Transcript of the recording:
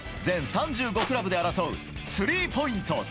全３５クラブで争うスリーポイント